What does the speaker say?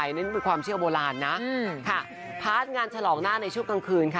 มันก็คือพระนิโนสุธิรักษ์ที่วัดโพเผือก